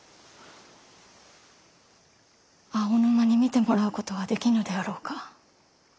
青沼に診てもらうことはできぬであろうか。